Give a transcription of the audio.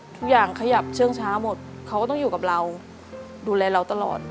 ทุกอย่างขยับเชื่องช้าหมดเขาก็ต้องอยู่กับเราดูแลเราตลอด